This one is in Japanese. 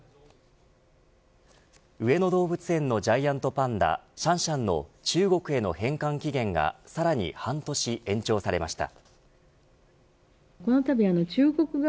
上野動物園のジャイアントパンダシャンシャンの中国への返還期限がさらに半年延長されました。